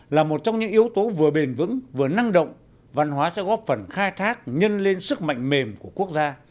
là một trong những yếu tố vừa bền vững vừa năng động văn hóa sẽ góp phần khai thác nhân lên sức mạnh mềm của quốc gia